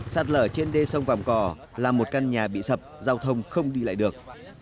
sạt lở trên đê sông vàng cò là một căn nhà bị sập giao thông không đi lại được